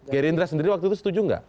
gerindra sendiri waktu itu setuju nggak